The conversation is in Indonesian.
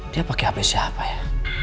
dia pake hp siapa ya